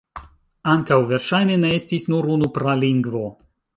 Ankaŭ verŝajne ne estis nur unu pralingvo.